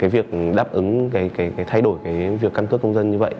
việc đáp ứng thay đổi việc căn cước công dân như vậy